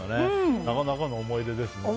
なかなかの思い出ですね。